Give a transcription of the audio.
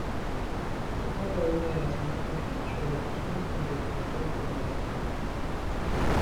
Se trata de una de las imágenes de mayor devoción entre los católicos madrileños.